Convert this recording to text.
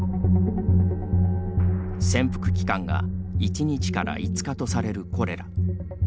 潜伏期間が１日から５日とされるコレラ。